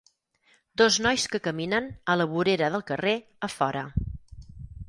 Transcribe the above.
dos nois que caminen, a la vorera del carrer, a fora.